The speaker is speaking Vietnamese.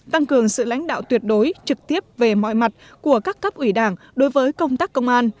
tăng cường sự lãnh đạo tuyệt đối trực tiếp về mọi mặt của các cấp ủy đảng đối với công tác công an